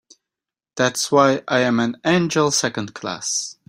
That's why I'm an angel Second Class.